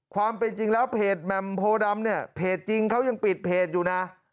ความเป็นจริงแล้วเพจแหม่มโพดำเนี่ยเพจจริงเขายังปิดเพจอยู่นะ